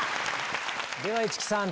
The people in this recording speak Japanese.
では市來さん